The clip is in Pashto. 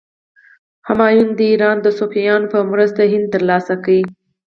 همایون د ایران د صفویانو په مرسته هند تر لاسه کړ.